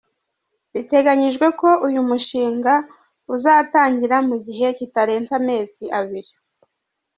Biteganyijwe ko uyu mushinga uzatangira mu gihe kitarenze amezi abiri .